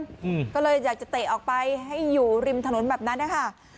อืมก็เลยอยากจะเตะออกไปให้อยู่ริมถนนแบบนั้นนะคะ